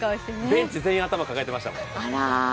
ベンチ全員、頭を抱えていました門。